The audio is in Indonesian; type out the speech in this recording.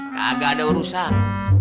kagak ada urusan